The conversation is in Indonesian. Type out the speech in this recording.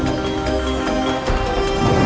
aku akan terus memburumu